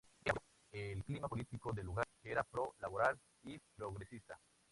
Ella favoreció el clima político del lugar, que era pro-laboral y progresista.